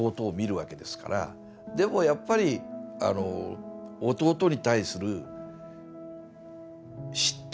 でもやっぱり弟に対する嫉妬？